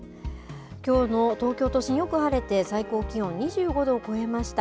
きょうの東京都心、よく晴れて、最高気温２５度を超えました。